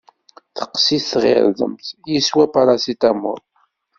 Teqqes-it tɣirdemt, yeswa paracetamol!